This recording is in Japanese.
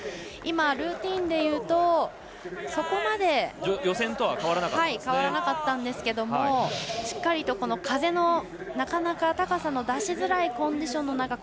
今、ルーティンで言うとそこまで予選とは変わらなかったんですけどしっかり、風がありなかなか高さが出しづらいコンディションの中